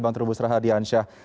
bang terus radiansyah